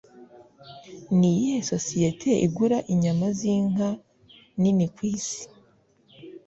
Niyihe sosiyete igura inyama zinka nini kwisi?